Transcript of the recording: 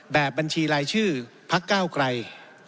แบบบัญชีรายชื่อพักเก้าไกร